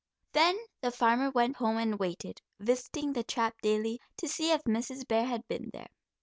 Then the farmer went home and waited, visiting the trap daily, to see if Mrs. Bear had been there.